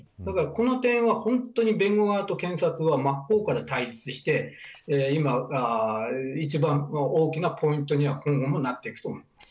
この点は本当に弁護側と検察は真っ向から対立して今、一番大きなポイントにはなっていくと思います。